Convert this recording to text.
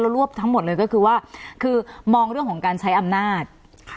รวบทั้งหมดเลยก็คือว่าคือมองเรื่องของการใช้อำนาจ